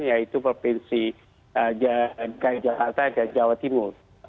yaitu provinsi jawa timur